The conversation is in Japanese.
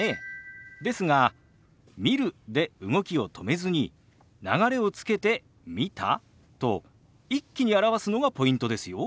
ですが「見る」で動きを止めずに流れをつけて「見た？」と一気に表すのがポイントですよ。